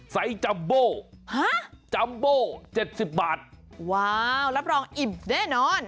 สายจัมโบ้จัมโบ้๗๐บาทว้าวรับรองอิ่มแน่นอน